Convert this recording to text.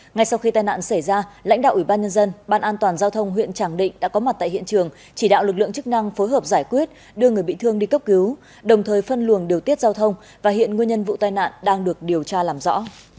ngay sau khi tai nạn xảy ra lãnh đạo ủy ban nhân dân ban an toàn giao thông huyện tràng định đã có mặt tại hiện trường chỉ đạo lực lượng chức năng phối hợp giải quyết đưa người bị thương đi cấp cứu đồng thời phân luồng điều tiết giao thông và hiện nguyên nhân vụ tai nạn đang được điều tra làm rõ